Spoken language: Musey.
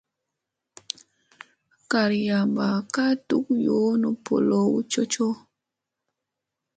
Garyamba kaa duk yoona ɓolow cocoo.